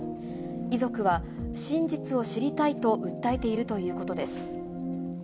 遺族は、真実を知りたいと訴えているということです。